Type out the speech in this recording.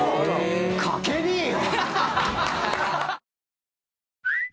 書けねえよ！